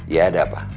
ya ada apa